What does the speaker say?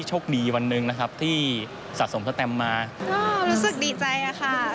โชคดีวันหนึ่งนะครับที่สะสมสแตมมารู้สึกดีใจอะค่ะ